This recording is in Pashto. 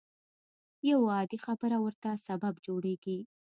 يوه عادي خبره ورته سبب جوړېږي.